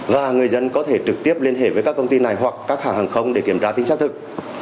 và người dân có thể trực tiếp liên hệ với các công ty này hoặc các hãng hàng không để kiểm tra tính xác thực